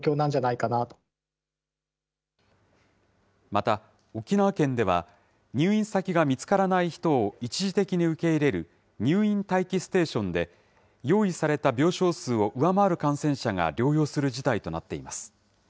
また沖縄県では、入院先が見つからない人を一時的に受け入れる入院待機ステーションで、用意された病床数を上回る感染者が療養する事態となっています。